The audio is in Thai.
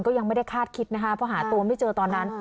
ก็ยังไม่ได้คาดคิดนะคะเพราะหาตัวไม่เจอตอนนั้น